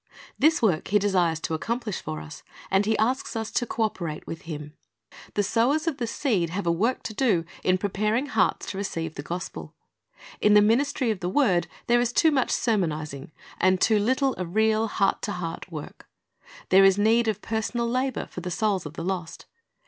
'"■^ This work He desires to accomplish for us, and He asks us to co operate with Him. ii Tim. 6: 9, 10 sjgr. 4 13 ; Hosea 10: 12 The Sower Went Forth to Sozf" 57 The sowers of the seed have a work to do in preparing hearts to receive the gospel. In the ministry of the word there is too much sermonizing, and too Httle of real heart to heart work. There is need of personal labor for the souls of the lost.